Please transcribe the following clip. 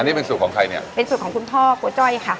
อันนี้เป็นส่วนของใครเนี่ยเป็นส่วนของคุณพ่อโบ๊ะจ้อยค่ะ